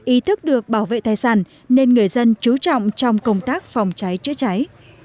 ý thức được bảo vệ tài sản nên người dân chú trọng trong công tác phòng cháy chữa cháy